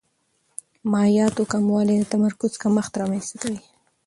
مایعاتو کموالی د تمرکز کمښت رامنځته کوي.